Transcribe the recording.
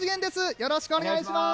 よろしくお願いします。